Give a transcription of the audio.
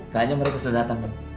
kayaknya mereka sudah datang